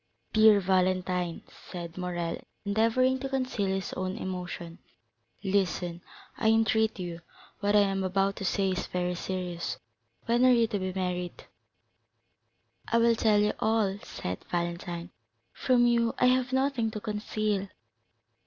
"Dear Valentine," said Morrel, endeavoring to conceal his own emotion, "listen, I entreat you; what I am about to say is very serious. When are you to be married?" "I will tell you all," said Valentine; "from you I have nothing to conceal.